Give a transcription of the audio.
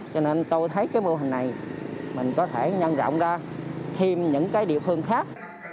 cho nên tôi thấy cái mô hình này mình có thể nhân rộng ra thêm những cái địa phương khác